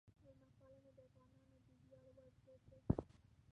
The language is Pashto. میلمهپالنه د افغانانو د ویاړ وړ دود دی.